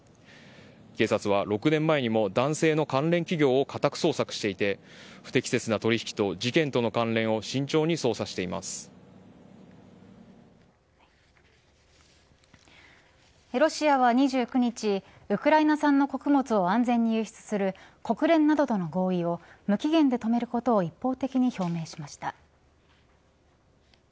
警察は６年前にも男性の関連企業を家宅捜索していて不適切な取引と事件との関連をロシアは２９日ウクライナ産の穀物を安全に輸出する国連などとの合意を無期限で止めることを一方的に表明しました。